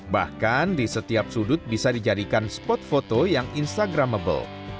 bahkan di setiap sudut bisa dijadikan spot foto yang instagramable